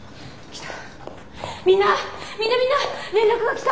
来た。